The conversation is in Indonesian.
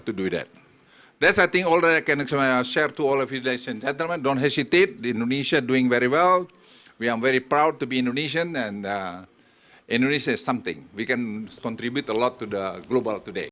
kedua membangun ekonomi hijau yang berdasarkan lima pilar